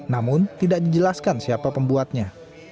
namun tidak dijelaskan siapa pembuatnya